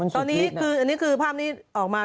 ตอนนี้คือภาพนี้ออกมา